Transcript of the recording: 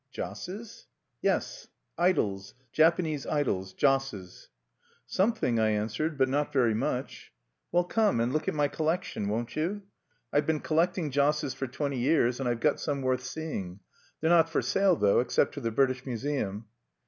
"Josses?" "Yes; idols, Japanese idols, josses." "Something," I answered, "but not very much." "Well, come, and look at my collection, won't you? I've been collecting josses for twenty years, and I've got some worth seeing. They're not for sale, though, except to the British Museum."